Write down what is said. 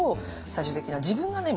最終的には自分がね